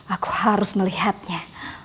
aku harus melihatnya